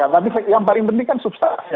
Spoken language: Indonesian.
tapi yang paling penting kan substansi